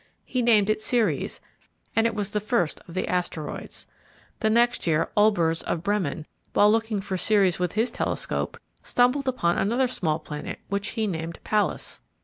He named it Ceres, and it was the first of the Asteroids. The next year Olbers, of Bremen, while looking for Ceres with his telescope, stumbled upon another small planet which he named Pallas.